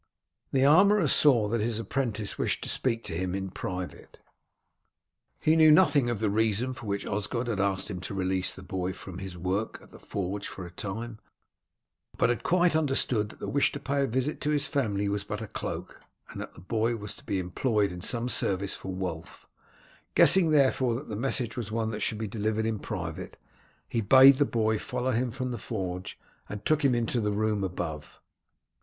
The armourer saw that his apprentice wished to speak to him in private. He knew nothing of the reason for which Osgod had asked him to release the boy from his work at the forge for a time, but had quite understood that the wish to pay a visit to his family was but a cloak, and that the boy was to be employed in some service for Wulf. Guessing, therefore, that the message was one that should be delivered in private, he bade the boy follow him from the forge and took him into the room above.